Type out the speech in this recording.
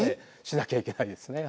しなきゃいけないですね。